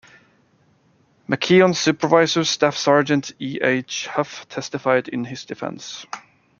McKeon's supervisor, Staff Sergeant E. H. Huff, testified in his defense.